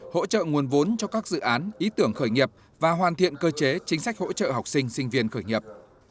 hỗ trợ nguồn vốn cho các dự án ý tưởng khởi nghiệp và hoàn thiện cơ chế chính sách hỗ trợ học sinh sinh viên khởi nghiệp